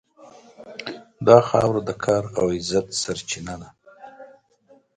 دا خاوره د کار او عزت سرچینه ده.